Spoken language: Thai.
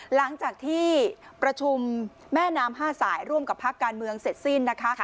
หลังจากที่ประชุมแม่น้ำ๕สายร่วมกับพักการเมืองเสร็จสิ้นนะคะ